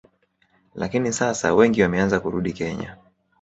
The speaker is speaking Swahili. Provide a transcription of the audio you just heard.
Lakini sasa wengi wameanza kurudi Kenya